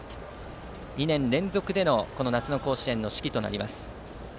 ２年連続での夏の甲子園の指揮となります。